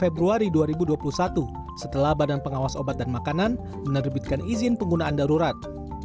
februari dua ribu dua puluh satu setelah badan pengawas obat dan makanan menerbitkan izin penggunaan darurat